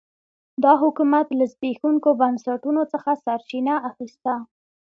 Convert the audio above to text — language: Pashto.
دا حکومت له زبېښونکو بنسټونو څخه سرچینه اخیسته.